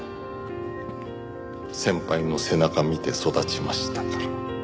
先輩の背中見て育ちましたから。